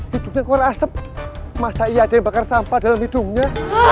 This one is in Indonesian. hidupnya kurang asep masa ia dengarkan sampah dalam hidungnya